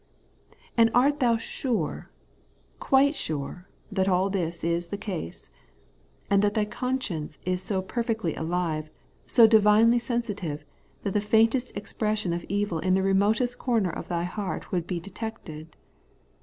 And art thou si^re, quite sure, that aU this is the case ; and that thy conscience is so perfectly alive, so divinely sensitive, that the faintest expressions of evil in the remotest comer of thy heart would be detected